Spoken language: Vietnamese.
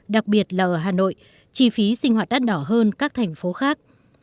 đặc biệt là ở hà nội chi phí sinh hoạt đắt đỏ hơn các thành phố khác